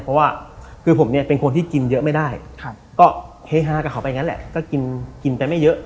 เพราะว่าคือผมเนี่ยเป็นคนที่กินเยอะไม่ได้ก็เฮฮากับเขาไปงั้นแหละก็กินไปไม่เยอะ